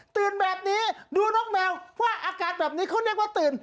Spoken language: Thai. แบบนี้ดูน้องแมวว่าอาการแบบนี้เขาเรียกว่าตื่น